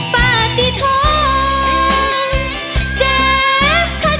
ป้าตีท้องเจ็บขัดขนาด